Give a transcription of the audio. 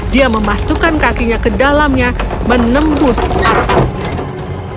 dia memasukkan kakinya ke dalamnya menembus parpol